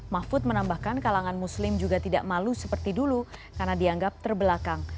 mahfud menambahkan kalangan muslim juga tidak malu seperti dulu karena dianggap terbelakang